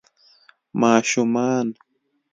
ماشومان